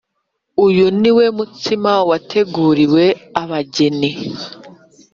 Uyu ni wo mutsima wateguriwe abageni